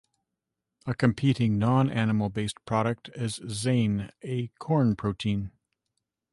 A competing non-animal-based product is zein, a corn protein.